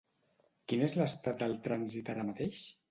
Quin és l'estat del trànsit ara mateix?